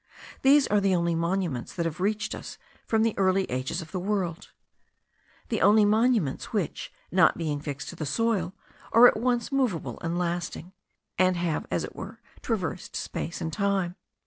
These are the only monuments that have reached us from the early ages of the world; the only monuments, which, not being fixed to the soil, are at once moveable and lasting, and have as it were traversed time and space.